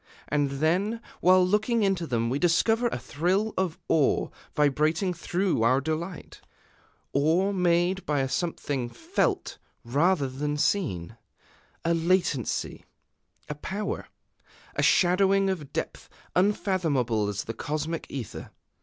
And then, while looking into them, we discover a thrill of awe vibrating through our delight, awe made by a something felt rather than seen: a latency, a power, a shadowing of depth unfathomable as the cosmic Ether.